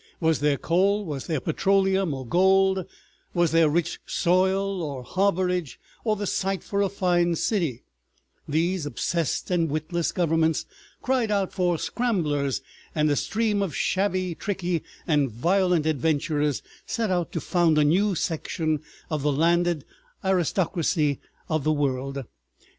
Was there coal, was there petroleum or gold, was there rich soil or harborage, or the site for a fine city, these obsessed and witless Governments cried out for scramblers, and a stream of shabby, tricky, and violent adventurers set out to found a new section of the landed aristocracy of the world.